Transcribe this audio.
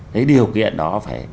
cái điều kiện đó phải